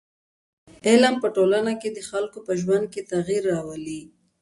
علم په ټولنه کي د خلکو په ژوند کي تغیر راولي.